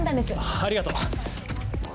ありがとう。